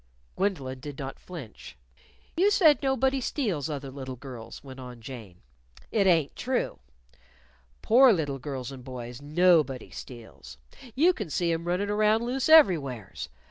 Gwendolyn did not flinch. "You said nobody steals other little girls," went on Jane. "It ain't true. Poor little girls and boys, _no_body steals. You can see 'em runnin' around loose everywheres.